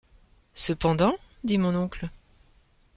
Cependant ? dit mon oncle.